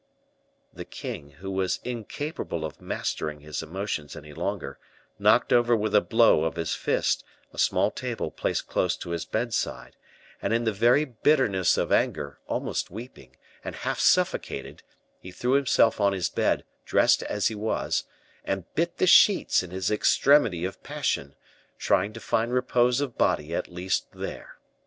The king, who was incapable of mastering his emotions any longer, knocked over with a blow of his fist a small table placed close to his bedside, and in the very bitterness of anger, almost weeping, and half suffocated, he threw himself on his bed, dressed as he was, and bit the sheets in his extremity of passion, trying to find repose of body at least there.